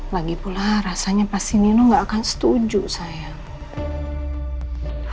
lagipula rasanya pasti nino nggak akan setuju sayang